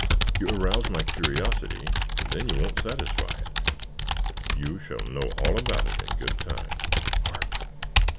You arouse my curiosity; then you won't satisfy it." "You shall know all about it in good time. Hark!